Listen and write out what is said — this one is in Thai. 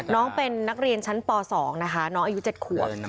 น้องเป็นนักเรียนชั้นป๒นะคะน้องอายุ๗ขวบ